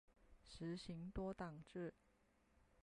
实行多党制。